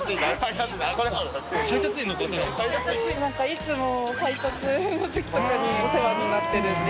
燭いつも配達のときとかにお世話になってるんで。